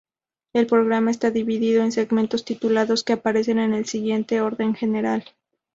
El programa está dividido en segmentos titulados, que aparecen en el siguiente orden general.